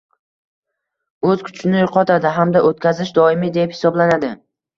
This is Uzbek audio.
o‘z kuchini yo‘qotadi hamda o‘tkazish doimiy deb hisoblanadi.